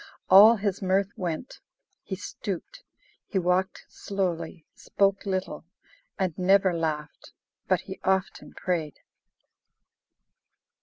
All his mirth went; he stooped; he walked slowly, spoke little, and never laughed, but he often prayed.